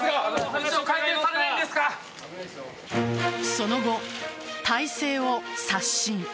その後、体制を刷新。